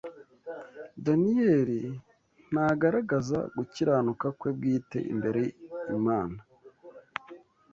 Daniyeli ntagaragaza gukiranuka kwe bwite imbere Imana